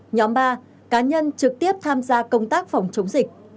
nhóm ba cá nhân trực tiếp tham gia công tác phòng chống dịch